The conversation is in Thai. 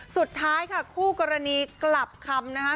สุดท้ายค่ะคู่กรณีกลับคำนะคะ